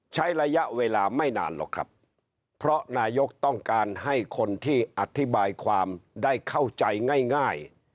ใช้ระยะเวลาไม่นานหรอกครับเพราะนายกต้องการให้คนที่อธิบายความได้เข้าใจง่าย